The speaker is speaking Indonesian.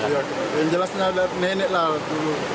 iya yang jelasnya dari nenek lah dulu